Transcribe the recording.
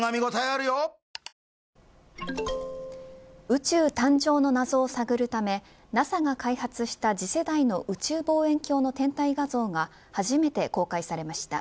宇宙誕生のなぞを探るためＮＡＳＡが開発した次世代の宇宙望遠鏡の天体画像が初めて公開されました。